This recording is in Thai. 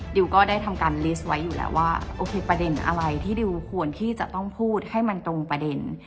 ดิวก็ได้ทำการลิสต์ไว้อยู่แล้วว่าโอเคประเด็นอะไรที่ดิวควรที่จะต้องพูดให้มันตรงประเด็น